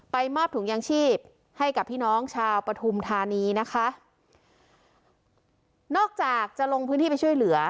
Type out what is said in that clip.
มอบถุงยางชีพให้กับพี่น้องชาวปฐุมธานีนะคะนอกจากจะลงพื้นที่ไปช่วยเหลือ